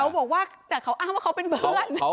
บอกว่าแต่เขาอ้างว่าเขาเป็นเพื่อน